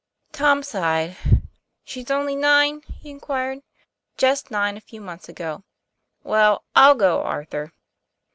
Tom sighed. " She's only nine ?' he inquired. Just nine a few months ago." Well, I'll go, Arthur."